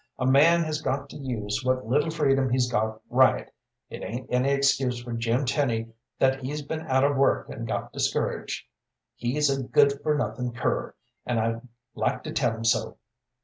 A man has got to use what little freedom he's got right. It ain't any excuse for Jim Tenny that he's been out of work and got discouraged. He's a good for nothing cur, an' I'd like to tell him so."